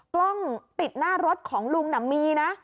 กล้องติดหน้ารถของลุงน่ะมีนะ